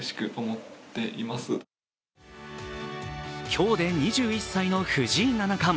今日で２１歳の藤井七冠。